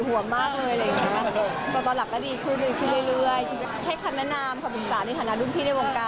วคแฮคสุดสูง